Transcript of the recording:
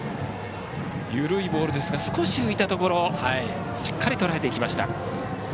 緩いボールですが少し浮いたところをしっかりとらえていきました。